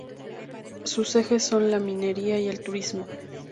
Sus ejes son la minería y el turismo.